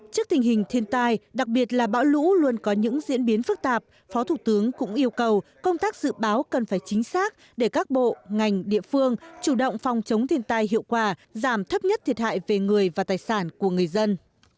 trước tình hình thiên tai đặc biệt là bão lũ luôn có những diễn biến phức tạp phó thủ tướng cũng yêu cầu công tác dự báo cần phải chính xác để các bộ ngành địa phương chủ động phòng chống thiên tai hiệu quả giảm thấp nhất thiệt hại về người và tài sản của người dân